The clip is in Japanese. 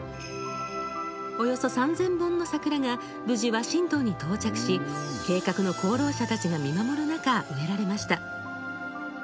およそ３０００本の桜が無事ワシントンに到着し計画の功労者たちが見守る中植えられました。